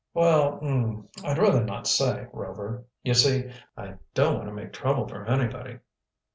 "Well er I'd rather not say, Rover. You see, I don't want to make trouble for anybody."